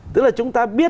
tức là chúng ta biết